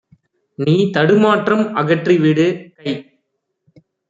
நீதடு மாற்றம் அகற்றிவிடு! - கை